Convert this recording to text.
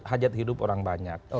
hajat hidup orang banyak